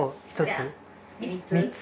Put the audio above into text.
３つ。